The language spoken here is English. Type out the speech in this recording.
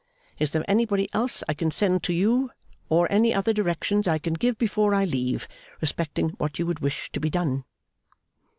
Is there anybody else I can send to you, or any other directions I can give before I leave, respecting what you would wish to be done?